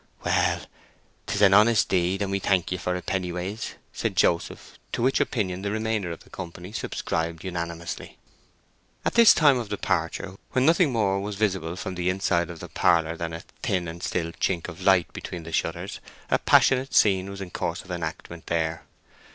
"Well, 'tis an honest deed, and we thank ye for it, Pennyways," said Joseph; to which opinion the remainder of the company subscribed unanimously. At this time of departure, when nothing more was visible of the inside of the parlour than a thin and still chink of light between the shutters, a passionate scene was in course of enactment there.